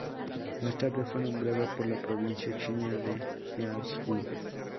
Más tarde fue nombrado por la provincia china de Jiangsu.